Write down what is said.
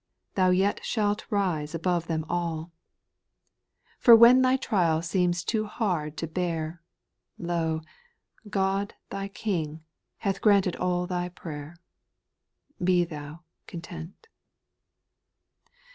Thou yet shalt rise above them all j SPIRITUAL SONGS, 385 For when thy trial seems too hard to bear, Lo ! God, thy King, hath granted all thy prayer. Be thou content.